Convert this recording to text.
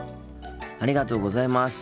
ありがとうございます。